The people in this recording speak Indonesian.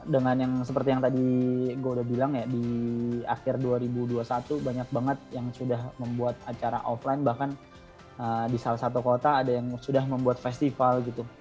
dengan yang seperti yang tadi gue udah bilang ya di akhir dua ribu dua puluh satu banyak banget yang sudah membuat acara offline bahkan di salah satu kota ada yang sudah membuat festival gitu